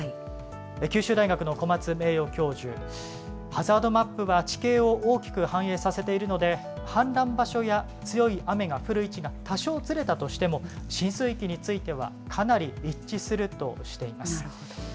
九州大学の小松名誉教授、ハザードマップは地形を大きく反映させているので、氾濫場所や強い雨が降る位置が多少ずれたとしても、浸水域についてはかなり一致するとしています。